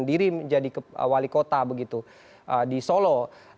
diri menjadi wali kota begitu di solo